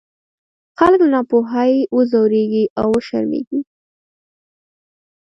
خلک له ناپوهۍ وځورېږي او وشرمېږي.